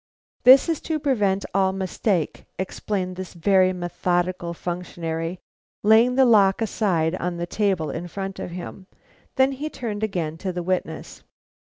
"That is to prevent all mistake," explained this very methodical functionary, laying the lock aside on the table in front of him. Then he turned again to the witness.